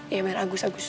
ya bayar agus agus